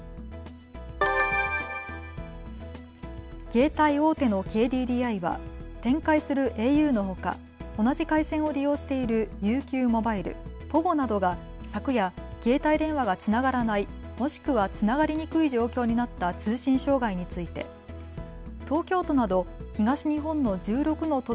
携帯大手のＫＤＤＩは展開するａｕのほか同じ回線を利用しているＵＱモバイル、ｐｏｖｏなどが昨夜、携帯電話がつながらない、もしくはつながりにくい状況になった通信障害について東京都など東日本の１６の都